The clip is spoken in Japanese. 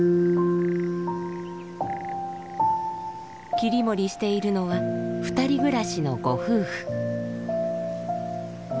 切り盛りしているのは２人暮らしのご夫婦。